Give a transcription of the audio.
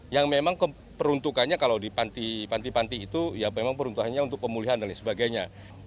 yang memang peruntukannya kalau dipanti panti itu ya memang peruntukannya untuk pemulihan dan sebagainya